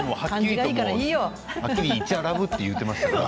はっきり、いちゃラブって言っていましたから。